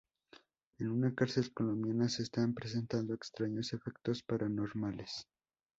En una cárcel colombiana se están presentando extraños efectos paranormales.